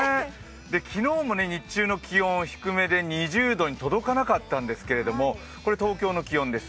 昨日も日中の気温低めで２０度に届かなかったんですけどこれ東京の気温です。